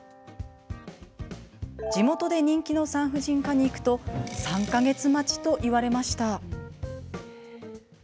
地元で人気の産婦人科に行くと３か月待ちと言われました。